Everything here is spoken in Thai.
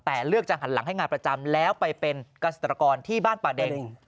แต่เลือกจะหันหลังให้งานประจำแล้วไปเป็นเกษตรกรที่บ้านป่าเด็ง